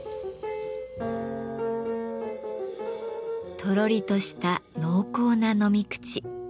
とろりとした濃厚な飲み口。